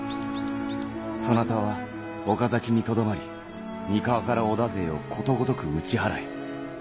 そなたは岡崎にとどまり三河から織田勢をことごとく打ち払え。